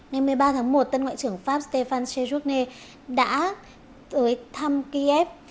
ngày một mươi ba tháng một tân ngoại trưởng pháp stéphane cherougne đã tới thăm kiev